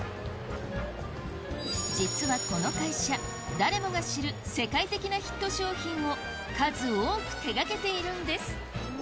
実はこの会社誰もが知る世界的なヒット商品を数多く手がけているんです